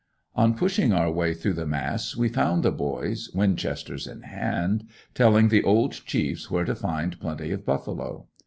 On pushing our way through the mass we found the boys, winchesters in hand, telling the old chiefs where to find plenty of buffalo.